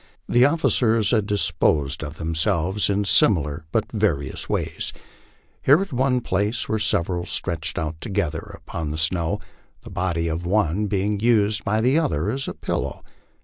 The officers had disposed of themselves in similar but various ways; here at one place were several stretched out together upon the snow, the body of one be ing used by the others as a pillow.